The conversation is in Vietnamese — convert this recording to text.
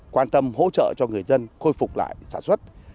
quan tâm hỗ trợ cho người dân khôi phục lại sản xuất